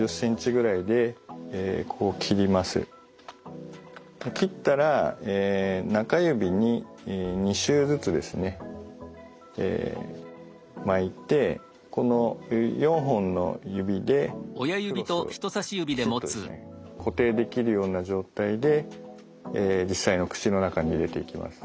大体切ったら中指に２周ずつですね巻いてこの４本の指でフロスをきちっとですね固定できるような状態で実際の口の中に入れていきます。